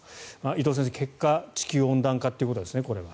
伊藤先生、結果地球温暖化ということですねこれは。